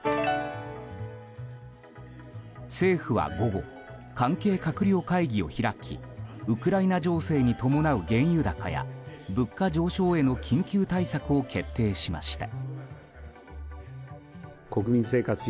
政府は午後関係閣僚会議を開きウクライナ情勢に伴う原油高や物価上昇への緊急対策を決定しました。